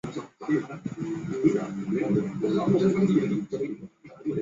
微卫星估计是脱氧核糖核酸复制的时候出错导致的。